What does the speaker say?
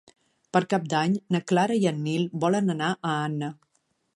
Per Cap d'Any na Clara i en Nil volen anar a Anna.